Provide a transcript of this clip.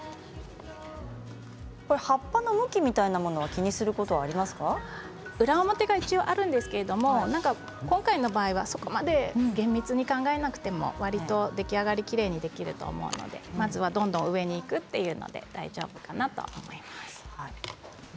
葉っぱの向きは裏表が一応あるんですけど今回の場合はそこまで厳密に考えなくてもわりと出来上がりがきれいにできると思うのでまずはどんどん上にいくというので大丈夫かなと思います。